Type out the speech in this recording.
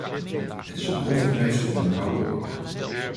Het is een overblijfsel van de koude oorlog.